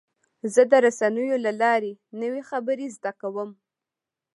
زه د رسنیو له لارې نوې خبرې زده کوم.